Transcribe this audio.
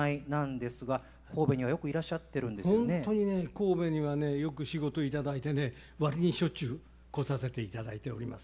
神戸にはねよく仕事頂いてね割にしょっちゅう来させていただいております。